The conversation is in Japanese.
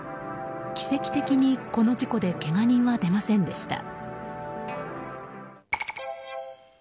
奇跡的に、この事故でけが人は出ませんでした。